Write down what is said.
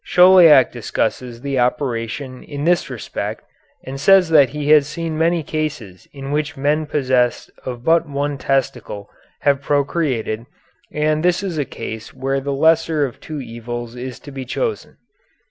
Chauliac discusses the operation in this respect and says that he has seen many cases in which men possessed of but one testicle have procreated, and this is a case where the lesser of two evils is to be chosen.